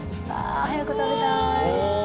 早く食べたい。